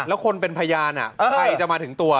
แล้วคนเป็นพยานใครจะมาถึงตัว